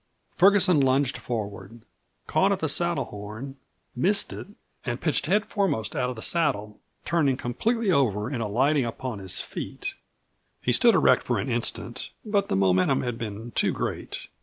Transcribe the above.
Ferguson lunged forward, caught at the saddle horn, missed it, and pitched head foremost out of the saddle, turning completely over and alighting upon his feet. He stood erect for an instant, but the momentum had been too great.